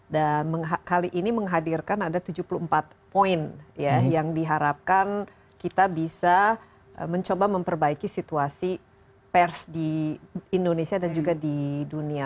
dan menghadirkan ada tujuh puluh empat poin yang diharapkan kita bisa mencoba memperbaiki situasi pers di indonesia dan juga di dunia